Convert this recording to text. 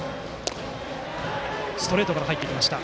ストレートから入ってきました。